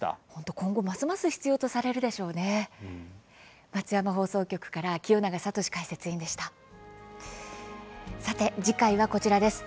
今後ますます必要とされそうですね。